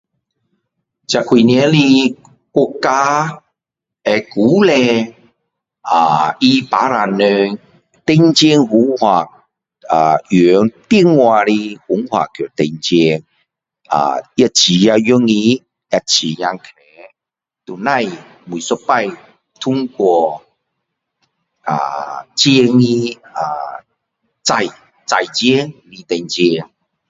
这几年的国家会鼓励啊他巴杀人还钱方法啊用电话的方法去还钱啊会非常容易也非常快都不用每一次通过啊钱的纸纸钱还钱